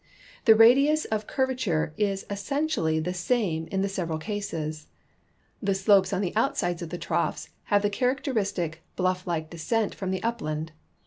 The radius of curvature is essentially the same in the several cases. The slopes on the outsides of the troughs have the char acteristic, hlufi like descent from the upland.